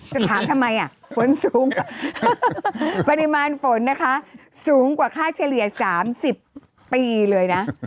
จะถามทำไมอ่ะฝนสูงปริมาณฝนนะคะสูงกว่าค่าเฉลี่ย๓๐ปีเลยนะ